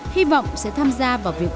hy vọng sẽ tham gia vào việc